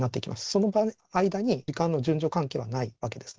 その間に時間の順序関係はないわけですね。